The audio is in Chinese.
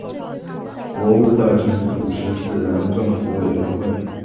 国务大臣主持四人政府委员会。